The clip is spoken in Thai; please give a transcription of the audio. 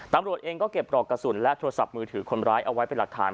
ตำรวจเองก็เก็บปลอกกระสุนและโทรศัพท์มือถือคนร้ายเอาไว้เป็นหลักฐาน